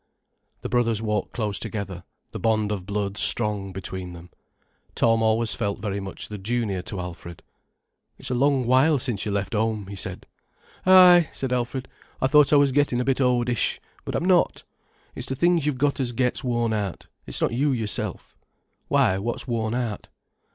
The brothers walked close together, the bond of blood strong between them. Tom always felt very much the junior to Alfred. "It's a long while since you left home," he said. "Ay," said Alfred. "I thought I was getting a bit oldish—but I'm not. It's the things you've got as gets worn out, it's not you yourself." "Why, what's worn out?"